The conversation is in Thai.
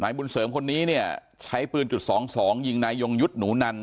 นายบุญเสริมคนนี้ใช้ปืน๒๒ยิงในยงยุทธ์หนูนัน